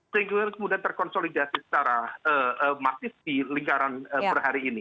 sehingga kemudian terkonsolidasi secara masif di lingkaran per hari ini